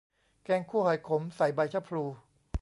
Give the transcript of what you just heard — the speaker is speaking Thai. แกงคั่วหอยขม ใส่ใบชะพลู